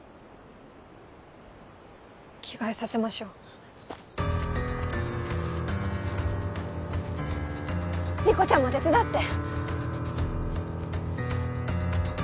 着替えさせましょう理子ちゃんも手伝って！